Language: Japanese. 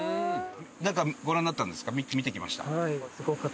中ご覧になったんですか？